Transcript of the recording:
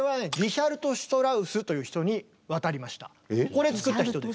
これ作った人です。